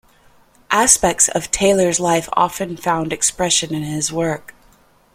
Aspects of Taylor's life often found expression in his work.